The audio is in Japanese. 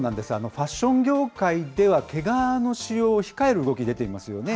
ファッション業界では毛皮の使用を控える動き、出ていますよね。